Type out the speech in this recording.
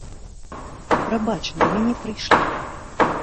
Прабач, да мяне прыйшлі.